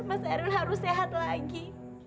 mas erwin harus sehat lagi